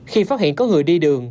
khi phát hiện có người đi đường